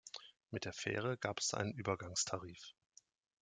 Mit der Fähre gab es einen Übergangstarif.